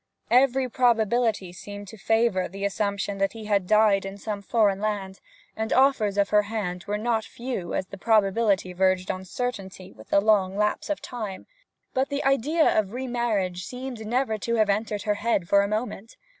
Every probability seemed to favour the assumption that he had died in some foreign land; and offers for her hand were not few as the probability verged on certainty with the long lapse of time. But the idea of remarriage seemed never to have entered her head for a moment.